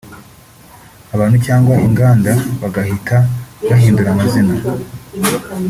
abantu cyangwa inganda bagahita bahindura amazina